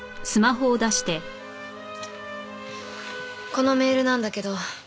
このメールなんだけど。